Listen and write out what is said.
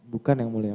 bukan yang mulia